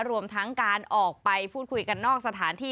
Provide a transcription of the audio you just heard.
รวมทั้งการออกไปพูดคุยกันนอกสถานที่